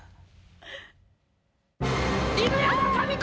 犬山紙子！